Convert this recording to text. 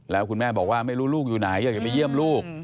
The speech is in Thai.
แล้วคุณแม่บอกว่าไม่รู้ลูกอยู่ไหนอยากจะไปเยี่ยมลูก